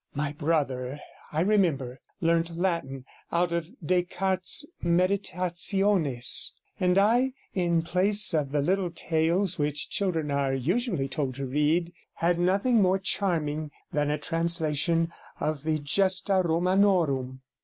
My brother, I remember, learnt Latin out of Descartes' Meditationes, and I, in place of the little tales which children are usually told to read, had nothing more charming than a translation of the Gesta Romanorum.